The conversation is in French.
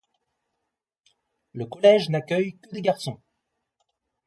Le collège n'accueille que des garçons.